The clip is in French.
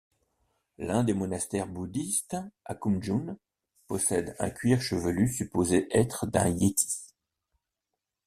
L'un des monastère bouddhiste à Khumjung possède un cuir chevelu supposé être d'un Yéti.